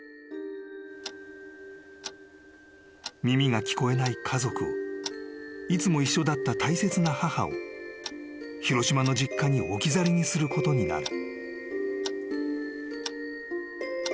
［耳が聞こえない家族をいつも一緒だった大切な母を広島の実家に置き去りにすることになる］